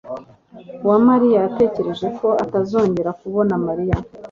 Uwamariya yatekereje ko atazongera kubona Mariya.